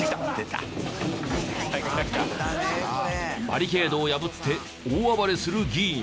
バリケードを破って大暴れする議員。